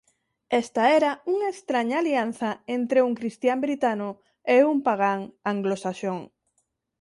Esta era unha estraña alianza entre un cristián britano e un pagán anglosaxón.